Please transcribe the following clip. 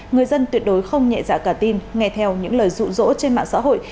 người dân tuyệt đối không nhẹ dạ cả tin nghe theo những lời rụ rỗ trên mạng xã hội